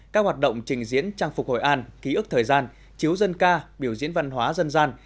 các hoạt động trình diễn trang phục hội an ký ức thời gian chiếu dân ca biểu diễn văn hóa dân gian